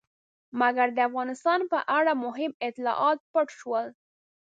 مګر د افغانستان په اړه مهم اطلاعات پټ شول.